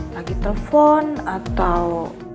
lagi telpon atau